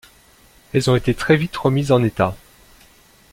Elles ont été très vite remises en état.